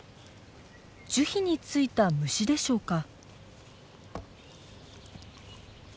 樹皮についた虫でしょうか？